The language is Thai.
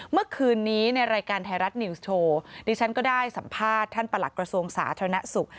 เมื่อคืนนี้ในรายการไทยรัฐนิวส์โชว์ดิฉันก็ได้สัมภาษณ์ท่านประหลักกระทรวงสาธารณสุข